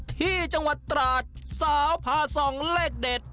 ที่จังหวัดตราดสาวพาส่องเลขเด็ด